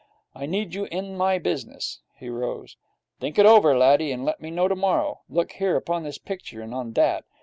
I need you in my business.' He rose. 'Think it over, laddie, and let me know tomorrow. Look here upon this picture, and on that.